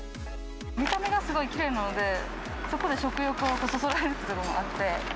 見た目がすごいきれいなので、そこで食欲をそそられるというのがあって。